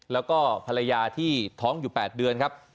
แล้วก็ภรรยาที่ท้องอยู่๘เดือนครับ